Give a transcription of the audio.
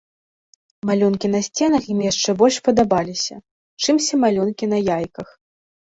Малюнкі на сценах ім яшчэ больш падабаліся, чымся малюнкі на яйках.